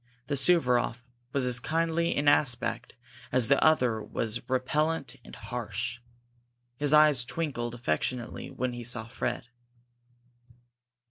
This Suvaroff was as kindly in aspect as the other was repellent and harsh. His eyes twinkled affectionately when he saw Fred.